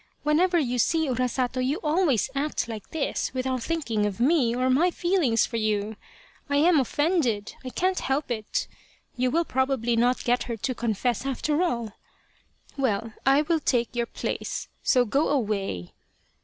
Whenever you see Urasato you always act like this without thinking of me or my feelings for you. I am offended I can't help it ! You will probably not get her to confess after all. Well I will take your place, so go away